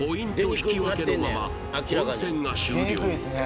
引き分けのまま本戦が終了